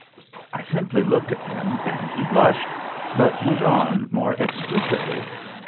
I simply looked at him, and he blushed, but went on more explicitly.